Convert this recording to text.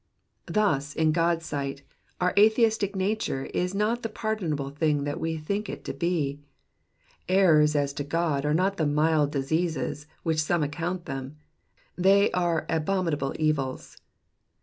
Thus, in God's sight, our atheistic nature is not the pardoned thing that we think it to be. Errors as to God are not the mild diseases which some account them, they are abominable evils.